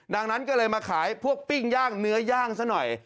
ดังนั้นก็เลยมาขายพวกปิ้งย่างเนื้อย่างซะหน่อย